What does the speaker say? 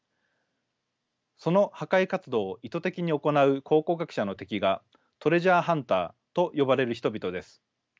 その破壊活動を意図的に行う考古学者の敵がトレジャーハンターと呼ばれる人々です。